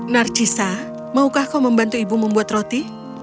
narcisa maukah kau membantu ibu membuat roti